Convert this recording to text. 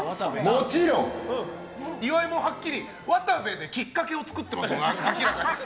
もちろん！岩井もはっきり渡部できっかけを作ってますから。